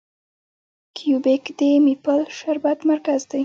کیوبیک د میپل شربت مرکز دی.